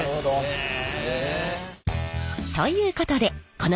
へえ。